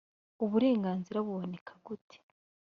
uburenganzira buboneka gute